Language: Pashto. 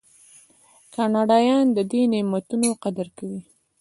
کاناډایان د دې نعمتونو قدر کوي.